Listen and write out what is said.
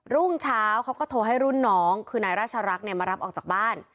รุ่งเช้าเขาก็โทรให้รุ่นน้องคือนายราชรักษ์มารับออกจากบ้าน